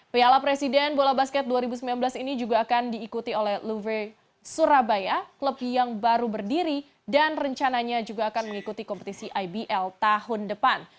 piala presiden bola basket dua ribu sembilan belas ini juga akan diikuti oleh luve surabaya klub yang baru berdiri dan rencananya juga akan mengikuti kompetisi ibl tahun depan